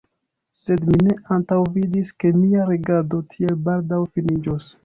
Sed mi ne antaŭvidis, ke mia regado tiel baldaŭ finiĝos.